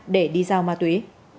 để đi giao ma túy